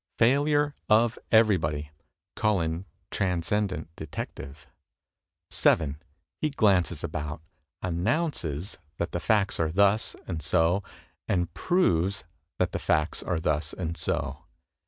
Failure of everybody. Call in Transcendent Detective. 7. He glances about, announces that the facts are thus and so and proves that the facts are thus and so.